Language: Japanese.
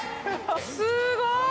すごい。